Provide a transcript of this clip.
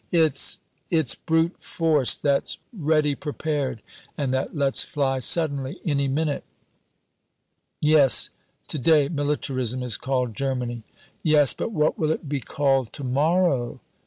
"It's it's brute force that's ready prepared, and that lets fly suddenly, any minute." "Yes. To day militarism is called Germany." "Yes, but what will it be called to morrow?"